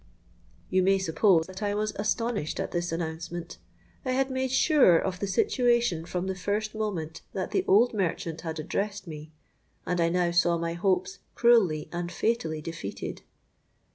'—You may suppose that I was astonished at this announcement. I had made sure of the situation from the first moment that the old merchant had addressed me; and I now saw my hopes cruelly and fatally defeated.